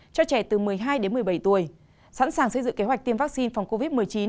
cho trẻ từ một mươi hai đến một mươi bảy tuổi sẵn sàng xây dựng kế hoạch tiêm vaccine phòng covid một mươi chín